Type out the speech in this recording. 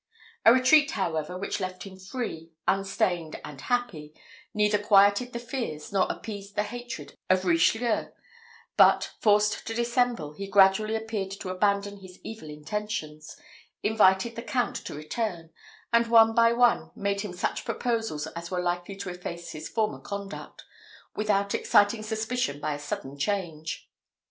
A retreat, however, which left him free, unstained, and happy, neither quieted the fears, nor appeased the hatred of Richelieu; but, forced to dissemble, he gradually appeared to abandon his evil intentions, invited the Count to return, and one by one made him such proposals as were likely to efface his former conduct, without exciting suspicion by a sudden change.